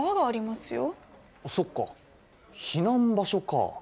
そっか避難場所か。